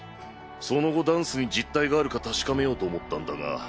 その後ダンスに実体があるか確かめようと思ったんだが。